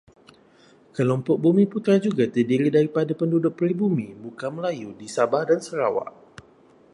Kelompok bumiputera juga terdiri daripada penduduk peribumi bukan Melayu di Sabah dan Sarawak.